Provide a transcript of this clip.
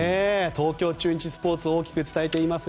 東京中日スポーツが大きく伝えています。